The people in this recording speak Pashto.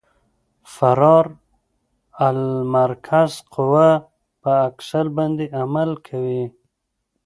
فرار المرکز قوه په اکسل باندې عمل کوي